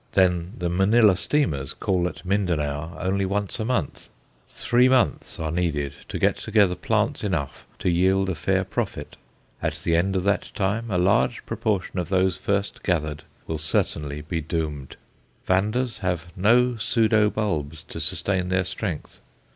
Then, the Manilla steamers call at Mindanao only once a month. Three months are needed to get together plants enough to yield a fair profit. At the end of that time a large proportion of those first gathered will certainly be doomed Vandas have no pseudo bulbs to sustain their strength.